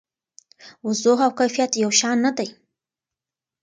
وضوح او کیفیت یو شان نه دي.